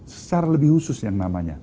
secara lebih khusus yang namanya